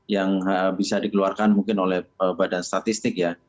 yang bisa dikeluarkan mungkin oleh badan statistik ya